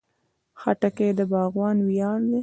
خټکی د باغوان ویاړ دی.